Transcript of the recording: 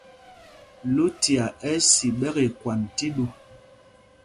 Lucia ɛ́ si ɓɛkɛ ikwand tí ɗû.